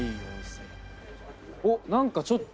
お何かちょっと。